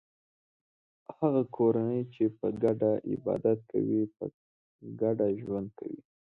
هغه کورنۍ چې په ګډه عبادت کوي په ګډه ژوند کوي.